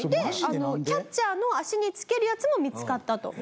キャッチャーの足につけるやつも見付かったと。